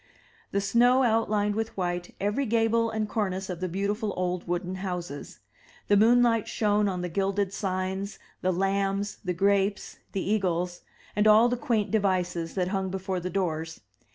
The snow outlined with white every gable and cornice of the beautiful old wooden houses; the moonlight shone on the gilded signs, the lambs, the gi^apes, the eagles, and all the quaint devices that hung before the doors.